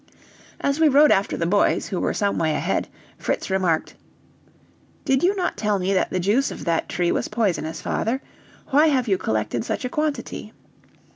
As we rode after the boys, who were some way ahead, Fritz remarked: "Did you not tell me that the juice of that tree was poisonous, father; why have you collected such a quantity?"